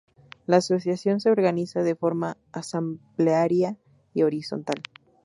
La asociación se organiza de forma asamblearia y horizontal.